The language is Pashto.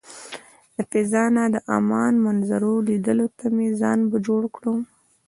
له فضا نه د عمان منظرو لیدلو ته مې ځان جوړ کړ.